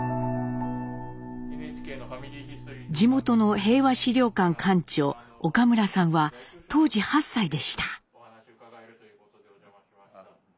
地元の平和資料館館長岡村さんは当時８歳でした。